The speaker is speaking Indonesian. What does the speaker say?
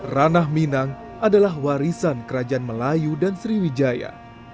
ranah minang adalah warisan kerajaan melayu dan sriwijaya